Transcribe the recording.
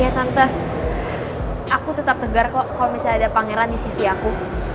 ya tante aku tetap tegar kok kalau misalnya ada pangeran di sisi aku